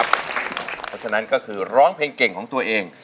เพราะฉะนั้นก็คือร้องเพลงเก่งของตัวเอง